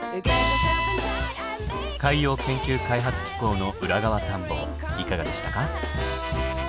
海洋研究開発機構の裏側探訪いかがでしたか？